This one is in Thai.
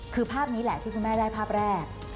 คือภาพนี้แหละที่คุณแม่ได้ภาพแรก